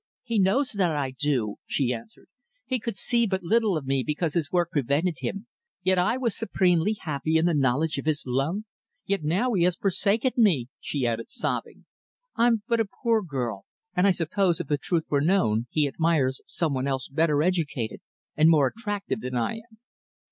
"He knows that I do," she answered. "He could see but little of me because his work prevented him, yet I was supremely happy in the knowledge of his love. Yet now he has forsaken me," she added, sobbing. "I'm but a poor girl, and I suppose if the truth were known he admires some one else better educated and more attractive than I am."